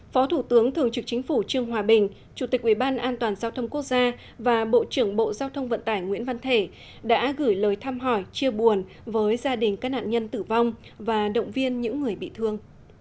phó thủ tướng thường trực chính phủ trương hòa bình chủ tịch ubnd giao thông quốc gia và bộ trưởng bộ giao thông vận tải nguyễn văn thể đã gửi lời thăm hỏi chia buồn với gia đình các nạn nhân tử vong và động viên những người bị thương